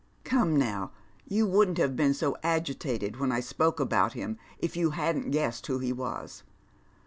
" Come now, you wouldn't have been so agitated when I spoke about him if you hadn't guessod who he was."